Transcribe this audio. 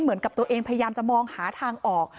เหมือนกับตัวเองพยายามจะมองหาทางออก